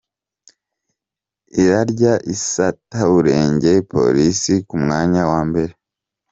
irarya isataburenge Polisi ku mwanya wa mbere